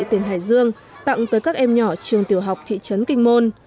tỉnh hải dương tặng tới các em nhỏ trường tiểu học thị trấn kinh môn